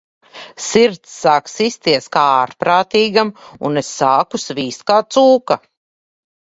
Sirds sāka sisties kā ārprātīgam, un es sāku svīst kā cūka.